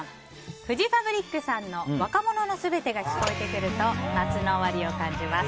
フジファブリックさんの「若者のすべて」が聞こえてくると夏の終わりを感じます。